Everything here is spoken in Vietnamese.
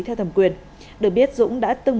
theo thẩm quyền được biết dũng đã từng